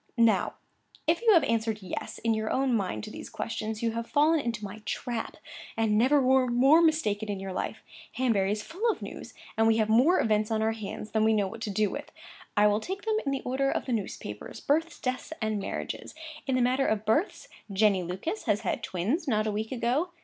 Now, if you have answered "Yes," in your own mind to these questions, you have fallen into my trap, and never were more mistaken in your life. Hanbury is full of news; and we have more events on our hands than we know what to do with. I will take them in the order of the newspapers—births, deaths, and marriages. In the matter of births, Jenny Lucas has had twins not a week ago.